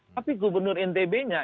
tapi gubernur ntb nya